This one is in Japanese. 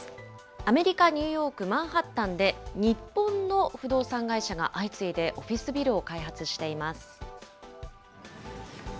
アメリカ・ニューヨーク・マンハッタンで、日本の不動産会社が相次いでオフィスビルを開発しています。